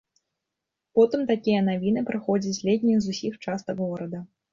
Потым такія навіны прыходзяць ледзь не з усіх частак горада.